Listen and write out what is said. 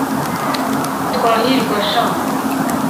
Twahirwa jean